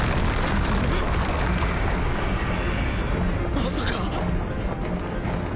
まさか。